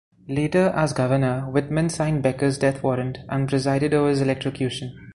Later, as governor, Whitman signed Becker's death warrant and presided over his electrocution.